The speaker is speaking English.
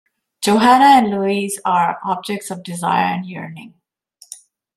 Johanna and Louise are objects of desire and yearning.